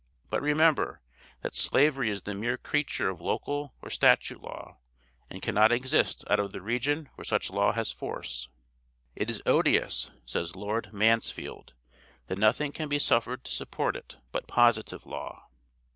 But remember, that slavery is the mere creature of local or statute law, and cannot exist out of the region where such law has force. 'It is so odious,' says Lord Mansfield, 'that nothing can be suffered to support it but positive law.'